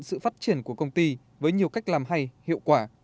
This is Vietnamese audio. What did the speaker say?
sự phát triển của công ty với nhiều cách làm hay hiệu quả